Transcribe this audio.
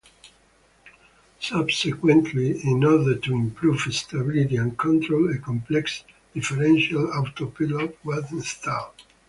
Subsequently, in order to improve stability and control, a complex differential autopilot was installed.